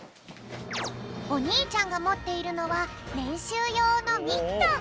おにいちゃんがもっているのはれんしゅうようのミット。